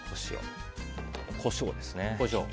コショウですね。